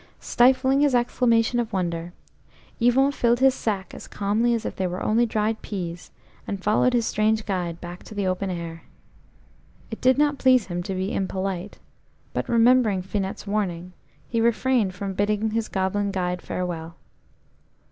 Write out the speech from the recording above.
Stifling his exclamation of wonder, Yvon filled his sack as calmly as if they were only dried peas, and followed his strange guide back to the open air. It did not please him to be impolite, but remembering Finette's warning, he refrained from bidding his goblin guide farewell.